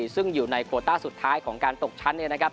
ซึ่งอยู่ในโคต้าสุดท้ายของการตกชั้นเนี่ยนะครับ